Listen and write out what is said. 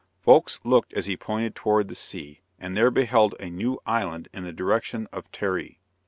Folks looked as he pointed toward the sea, and there beheld a new island in the direction of Therae.